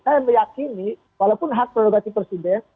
saya meyakini walaupun hak prerogatif presiden